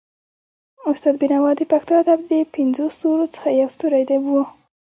استاد بينوا د پښتو ادب د پنځو ستورو څخه يو ستوری وو.